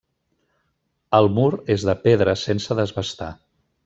El mur és de pedra sense desbastar.